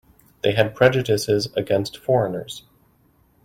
They have prejudices against foreigners.